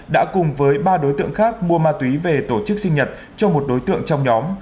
đã cùng với ba đối tượng khác mua ma túy về tổ chức sinh nhật cho một đối tượng trong nhóm